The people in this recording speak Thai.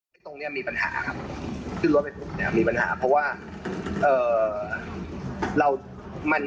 อยู่ตรงนี้มีปัญหาครับซึ่งรถไอ้ปุ่นนี่มีปัญหา